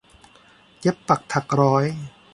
เย็บปักถักร้อย